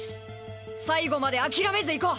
最後まで諦めずいこう！